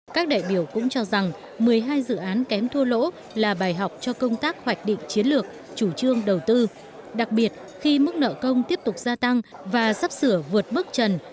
các đại biểu cũng cho rằng một mươi hai dự án kém thua lỗ hàng nghìn tỷ đồng có dự án vừa đi vào hoạt động đã thua lỗ hàng nghìn tỷ đồng